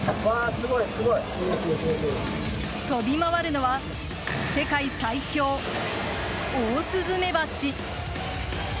飛び回るのは世界最凶オオスズメバチ。